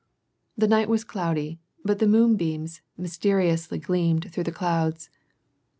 The night was cloudy, but the moonbeams mysteriously gleamed through the clouds.